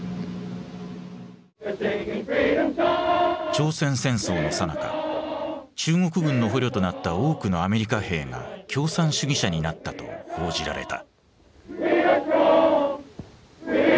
朝鮮戦争のさなか「中国軍の捕虜となった多くのアメリカ兵が共産主義者になった」と報じられた。